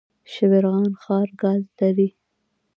شبرغان ښار ګاز لري؟